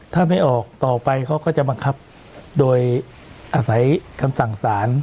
ถ้าไม่ออกต่อไปเขาก็จะบังคับโดยอาศัยคำสั่งสาร